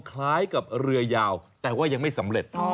คล้ายกับเรือยาวแต่ว่ายังไม่สำเร็จ